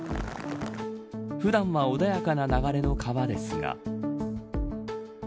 普段は穏やかな流れの川ですが。